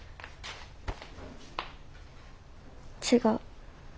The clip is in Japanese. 違う。